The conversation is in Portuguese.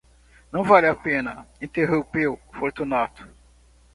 Não vale a pena, interrompeu Fortunato.